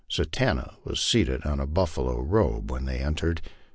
Satanta was seated on a buffalo robe when they entered.